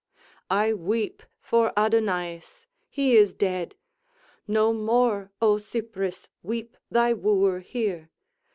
I weep for Adonaïs he is dead! No more, O Cypris, weep thy wooer here!